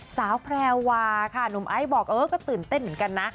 สาวแพรวาค่ะนมไอส์บอกน่ะก็ตื่นเต้นเหมือนกันฮะ